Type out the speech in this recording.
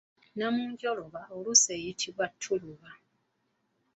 Namunjoloba oluusi eyitibwa ttuluba.